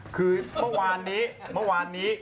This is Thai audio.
คือเมื่อวานนี้